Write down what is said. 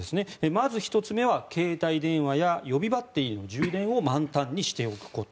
まず１つ目は携帯電話や予備バッテリーの充電を満タンにしておくこと。